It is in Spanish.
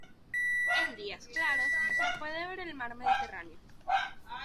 En días claros se puede ver el Mar mediterráneo.